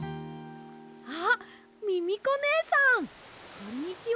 あっミミコねえさんこんにちは！